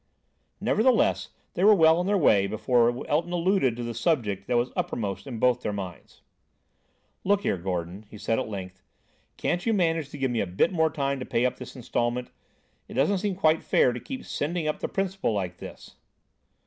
Nevertheless, they were well on their way before Elton alluded to the subject that was uppermost in both their minds. "Look here, Gordon," he said at length, "can't you manage to give me a bit more time to pay up this instalment? It doesn't seem quite fair to keep sending up the principal like this."